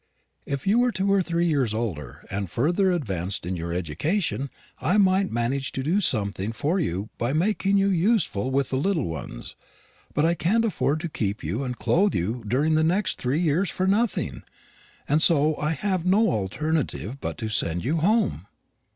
If you were two or three years older, and further advanced in your education, I might manage to do something for you by making you useful with the little ones; but I can't afford to keep you and clothe you during the next three years for nothing, and so I have no alternative but to send you home."